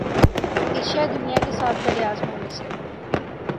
Asia دنیا کے سات براعظموں میں سے